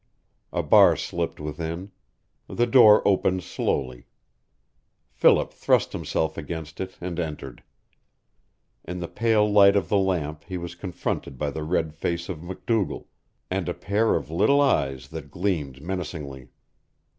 A bar slipped within. The door opened slowly. Philip thrust himself against it and entered. In the pale light of the lamp he was confronted by the red face of MacDougall, and a pair of little eyes that gleamed menacingly.